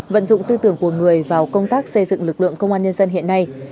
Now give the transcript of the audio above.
vận dụng tư tưởng của người vào công tác xây dựng lực lượng công an nhân dân hiện nay